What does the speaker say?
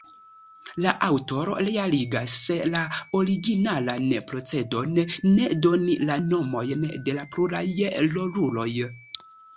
La aŭtoro realigas la originalan procedon ne doni la nomojn de la pluraj roluloj.